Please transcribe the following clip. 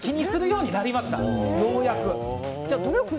ようやく。